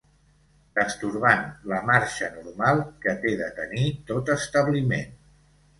Destorbant la marxa normal que té de tenir tot establiment